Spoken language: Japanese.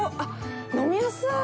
飲みやすい！